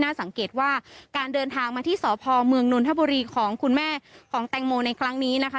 สังเกตว่าการเดินทางมาที่สพเมืองนนทบุรีของคุณแม่ของแตงโมในครั้งนี้นะคะ